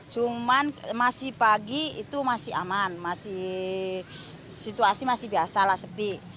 cuman masih pagi itu masih aman masih situasi masih biasa lah sepi